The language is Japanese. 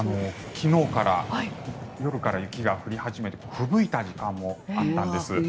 昨日から夜から雪が降り始めてふぶいた時間もあったんです。